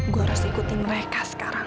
gue harus ikutin mereka sekarang